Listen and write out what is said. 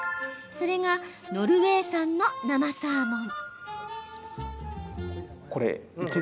それがノルウェー産の生サーモン。